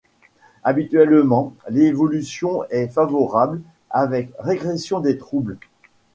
Habituellement, l'évolution est favorable, avec régression des troubles.